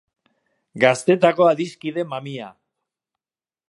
Gaztetako adiskide mamia.